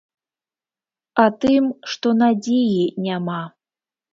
А тым, што надзеі няма.